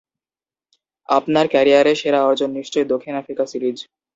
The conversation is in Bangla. আপনার ক্যারিয়ারে সেরা অর্জন নিশ্চয়ই দক্ষিণ আফ্রিকা সিরিজ।